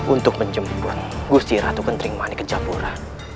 untuk menjemput gusti ratu kentring mani ke japura